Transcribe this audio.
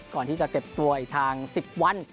ก่อนที่จะเก็บตัวอีกทาง๑๐วัน